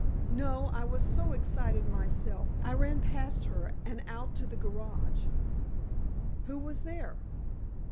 "No; I was so excited myself, I ran past her and out to the garage." "Who was there?"